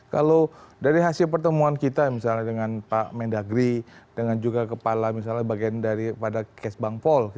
kalau dari hasil pertemuan kita misalnya dengan pak mendagri dengan juga kepala misalnya bagian dari pada kes bangpol